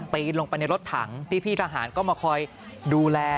ปีนลงไปในรถถังพี่ทหารก็มาคอยดูแล